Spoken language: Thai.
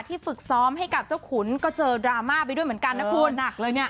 ฝึกซ้อมให้กับเจ้าขุนก็เจอดราม่าไปด้วยเหมือนกันนะคุณหนักเลยเนี่ย